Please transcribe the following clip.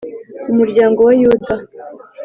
Umuryango wa yuda